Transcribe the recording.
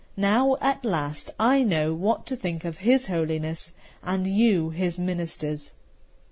Now at last I know what to think of his Holiness and you his Ministers."